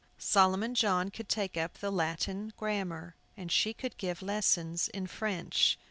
Solomon John could take up the Latin grammar, and she could give lessons in French.